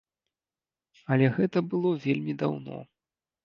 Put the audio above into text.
Але гэта было вельмі даўно.